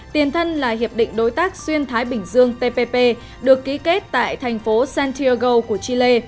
tiền thân là hiệp định đối tác xuyên thái bình dương tpp được ký kết tại thành phố santiago của chile